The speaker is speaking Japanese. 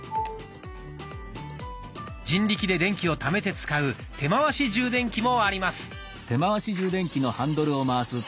人力で電気をためて使う手回し充電器もあります。